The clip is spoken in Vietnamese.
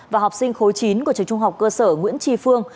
và học sinh khối chín của trường trung học cơ sở nguyễn trì phương